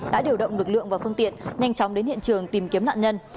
đã điều động lực lượng và phương tiện nhanh chóng đến hiện trường tìm kiếm nạn nhân